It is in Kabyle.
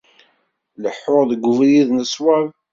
Leḥḥuɣ deg ubrid n ṣṣwab.